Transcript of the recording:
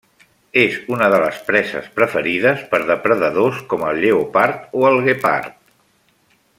És una de les preses preferides per depredadors com el lleopard o el guepard.